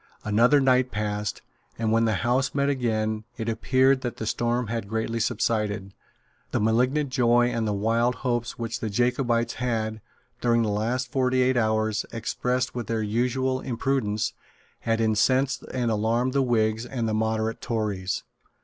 Another night passed; and, when the House met again, it appeared that the storm had greatly subsided. The malignant joy and the wild hopes which the Jacobites had, during the last forty eight hours, expressed with their usual imprudence, had incensed and alarmed the Whigs and the moderate Tories.